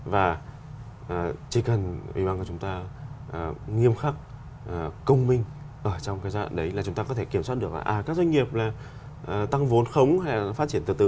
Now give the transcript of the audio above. và chỉ cần chúng ta nghiêm khắc công minh ở trong cái giai đoạn đấy là chúng ta có thể kiểm soát được là các doanh nghiệp tăng vốn khống hay là phát triển từ từ